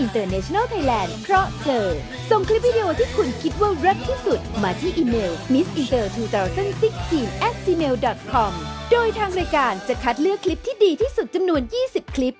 โดยทางรายการจะคัดเลือกคลิปที่ดีที่สุดจำนวน๒๐คลิป